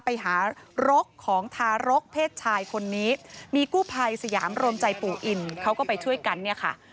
ไปหารกของทารกเพศชายคนนี้มีกู้ภัยสยามรวมใจปู่อินเขาก็ไปช่วยกันเนี่ยค่ะ